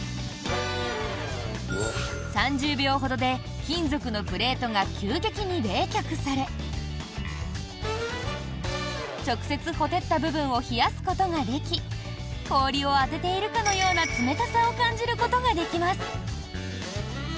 ３０秒ほどで金属のプレートが急激に冷却され直接、火照った部分を冷やすことができ氷を当てているかのような冷たさを感じることができます。